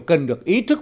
cần được ý thức